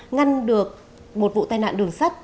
ngăn được một vụ tai nạn đường sắt